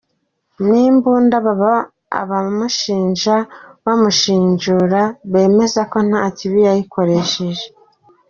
Ni imbunda baba abamushinja n’abamushinjura bemeza ko nta kibi yayikoresheje.